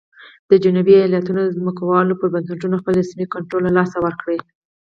د جنوبي ایالتونو ځمکوالو پر بنسټونو خپل رسمي کنټرول له لاسه ورکړ.